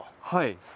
はい。